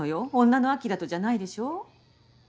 女の晶とじゃないでしょう？